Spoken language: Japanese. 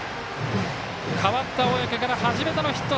代わった小宅から初めてのヒット。